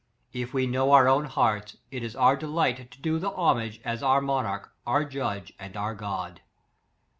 If we know our own hearts, it is our delight to do the ho mage as our monarch, our judge, and our God.